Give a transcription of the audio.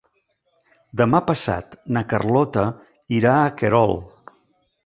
Demà passat na Carlota irà a Querol.